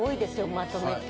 まとめて。